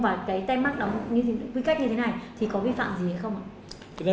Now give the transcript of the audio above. và cái tem mắc đó quy kết như thế này thì có vi phạm gì hay không ạ